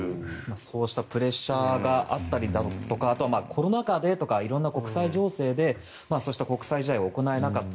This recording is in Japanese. そうしたプレッシャーがあったりだとか色んな国際情勢でそうした国際試合を行えなかった。